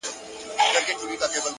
د حقیقت درک زړورتیا غواړي!